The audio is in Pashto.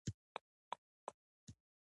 ناروغان له وخته درمل اخلي.